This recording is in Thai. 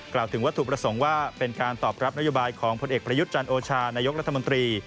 กล่าวถึงวัตถุประสงค์ว่าเป็นการตอบรับนโยบายของผลเอกประยุทธ์จันโอชานายกรัฐมนตรี